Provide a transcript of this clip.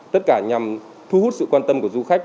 tất cả nhằm thu hút sự quan tâm của du khách